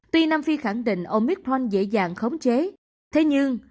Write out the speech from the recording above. tuy nam phi khẳng định omicron dễ dàng khống chế thế nhưng